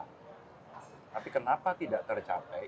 tapi kenapa tidak tercapai